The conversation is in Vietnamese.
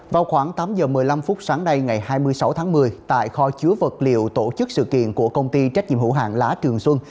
vào khoảng tám giờ một mươi năm phút sáng nay ngày hai mươi sáu tháng một mươi tại kho chứa vật liệu tổ chức sự kiện của công ty trách nhiệm hữu hạng lá trường xuân